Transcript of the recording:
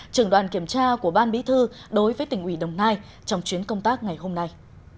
trưởng đoàn kiểm tra của ban bí thư đối với tỉnh ủy đồng nai trong chuyến công tác ngày hôm nay